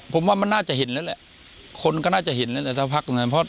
ผมว่ามันน่าจะเห็นแล้วแหละคนก็น่าจะเห็นแล้วแต่สักพักตรงนั้นเพราะ